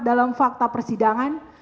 dalam fakta persidangan